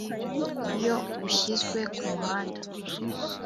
iyo ushyizwe kumuhanda